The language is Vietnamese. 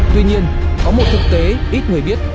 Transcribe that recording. tuy nhiên có một thực tế ít người biết